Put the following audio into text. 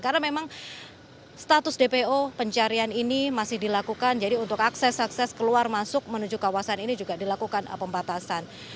karena memang status dpo pencarian ini masih dilakukan jadi untuk akses akses keluar masuk menuju kawasan ini juga dilakukan pembatasan